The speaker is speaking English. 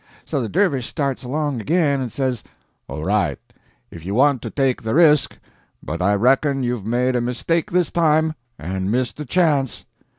So the dervish starts along again, and says: "All right, if you want to take the risk; but I reckon you've made a mistake this time, and missed a chance."